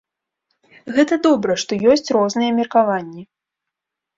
Гэта добра, што ёсць розныя меркаванні.